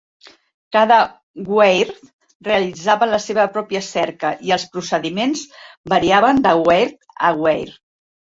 Cada Weyr realitzava la seva pròpia cerca i els procediments variaven de Weyr a Weyr.